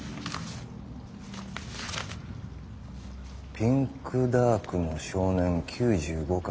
「『ピンクダークの少年』９５巻